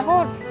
aku mau kemana